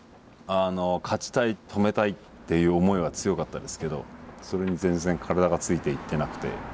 勝ちたい止めたいっていう思いは強かったですけどそれに全然体がついていってなくて。